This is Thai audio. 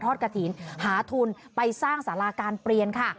กระถิ่นหาทุนไปสร้างสาราการเปลี่ยนค่ะ